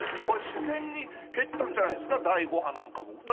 これ、自然に減ったんじゃないですか、第５波なんかも。